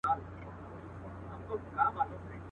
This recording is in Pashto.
د یارانو پکښي سخت مخالفت سو.